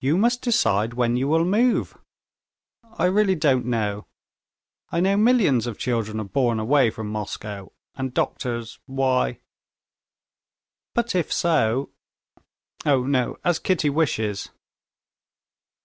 "You must decide when you will move." "I really don't know. I know millions of children are born away from Moscow, and doctors ... why...." "But if so...." "Oh, no, as Kitty wishes."